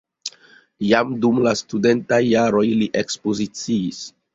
Jam dum la studentaj jaroj li ekspoziciis.